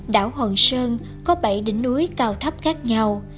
đảo hòn sơn có bảy đỉnh núi cao thấp khác nhau